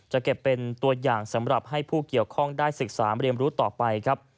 จะเก็บเป็นตัวอย่างสำหรับให้ผู้เกี่ยวข้องได้ศึกษาเรียนรู้ต่อไปครับ